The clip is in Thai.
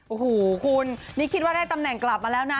โอ้โหคุณนี่คิดว่าได้ตำแหน่งกลับมาแล้วนะ